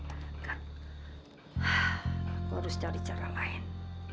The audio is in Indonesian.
aku harus cari cara lain